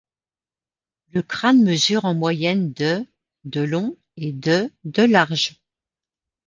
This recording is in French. Le crâne mesure en moyenne de de long et de de large.